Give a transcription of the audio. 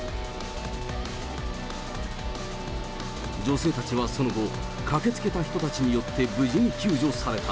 女性たちはその後、駆けつけた人たちによって無事に救助された。